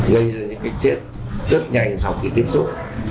gây ra những cái chất chất nhanh sau khi tiếp xúc